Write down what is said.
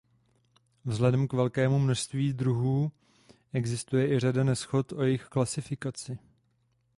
Vzhledem k velkému množství druhů existuje i řada neshod o jejich klasifikaci.